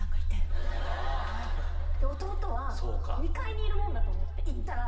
弟は２階にいるもんだと思って行ったら。